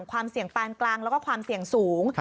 ความเสี่ยงปานกลางแล้วก็ความเสี่ยงสูง